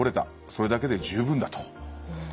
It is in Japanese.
それだけで充分だ」と。